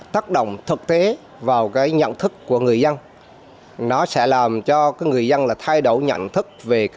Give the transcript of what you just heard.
tác động thực tế vào cái nhận thức của người dân nó sẽ làm cho người dân là thay đổi nhận thức về cái